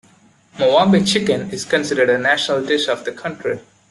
Moambe Chicken is considered a national dish of the country.